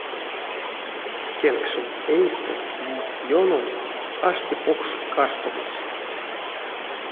Кенкшенть эйстэ вить ёнов ашти покш каштомось.